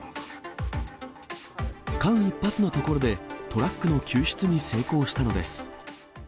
間一髪のところで、トラックの救出に成功したのです。